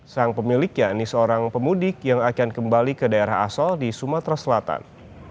sang pemilik yakni seorang pemudik yang akan kembali ke daerah asal di sumatera selatan